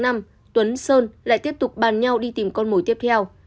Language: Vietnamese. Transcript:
năm tuấn sơn lại tiếp tục bàn nhau đi tìm con mồi tiếp theo